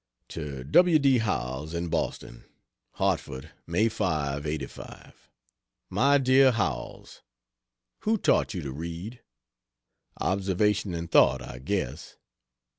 To W. D. Howells, in Boston: HARTFORD, May 5, '85. MY DEAR HOWELLS, .... Who taught you to read? Observation and thought, I guess.